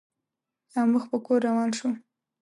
او مخ په کور روان شو.